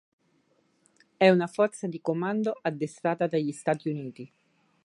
È una forza di commando addestrata dagli Stati Uniti.